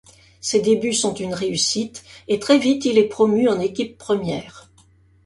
Ses débuts sont une réussite et très vite, il est promu en équipe première.